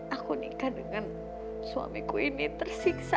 aku nikah dengan suamiku ini tersiksa